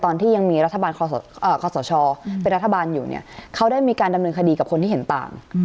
ตอนที่ยังมีรัฐบาลคอสชเป็นรัฐบาลอยู่เนี่ยเขาได้มีการดำเนินคดีกับคนที่เห็นต่าง